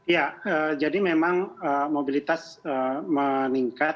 ya jadi memang mobilitas meningkat